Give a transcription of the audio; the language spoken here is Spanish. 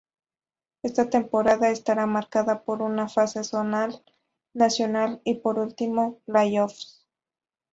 Esta temporada estará marcada por una fase zonal, nacional y por último playoffs.